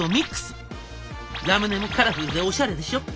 ラムネもカラフルでオシャレでしょ！